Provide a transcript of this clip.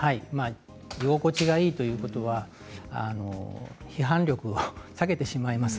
居心地がいいということは批判力を下げてしまいます。